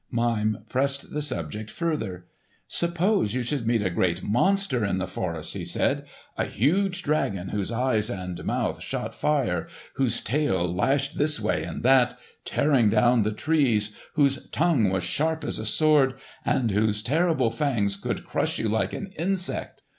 Mime pressed the subject further. "Suppose you should meet a great monster in the forest," he said; "a huge dragon whose eyes and mouth shot fire, whose tail lashed this way and that, tearing down the trees, whose tongue was sharp as a sword, and whose terrible fangs could crush you like an insect.